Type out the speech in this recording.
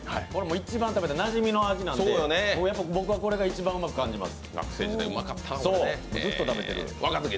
一番食べたいなじみの味なんで僕はこれが一番うまく感じます。